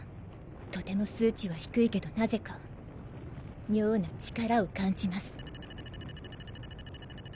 とても数値は低いけどなぜか妙な力を感じます。